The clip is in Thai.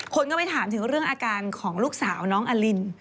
คนก็ไปถามถึงเรื่องอาการของลูกสาวน้องอลิน